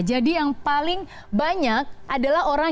jadi yang paling banyak adalah orang